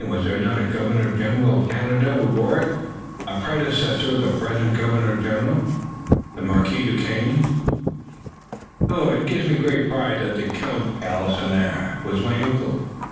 Was there not a Governor General of Canada who bore it?" "A predecessor of the present Governor General, the Marquis Duquesne. It gives me pride to say that the Count de Galisonnière was my uncle."